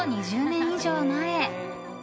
２０年以上前。